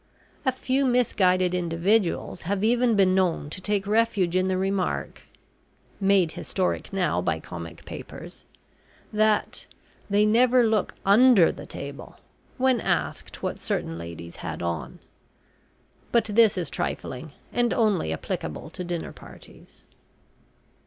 A few misguided individuals have even been known to take refuge in the remark (made historic now by comic papers) that "they never look under the table," when asked what certain ladies had on. But this is trifling, and only applicable to dinner parties.